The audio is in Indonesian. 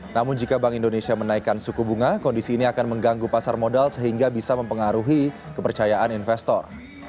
namun jika bank indonesia menaikkan suku bunga kondisi ini akan mengganggu pasar modal sehingga bisa mempengaruhi kepercayaan investor